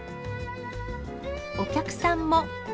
お客さんも。